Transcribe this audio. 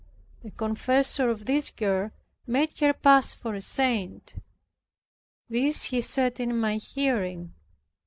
The confessor of this girl made her pass for a saint. This he said in my hearing.